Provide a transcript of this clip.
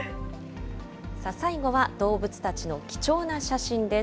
最後は動物たちの貴重な写真です。